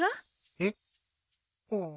えっ？ああ。